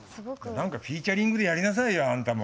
何かフィーチャリングで何かやりなさいよあんたも。